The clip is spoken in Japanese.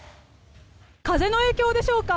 風の影響でしょうか